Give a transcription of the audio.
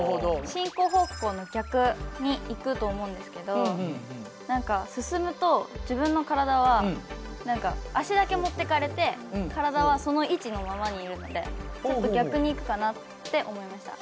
進行方向の逆に行くと思うんですけど進むと自分の体は足だけ持ってかれて体はその位置のままにいるのでちょっと逆に行くかなって思いました。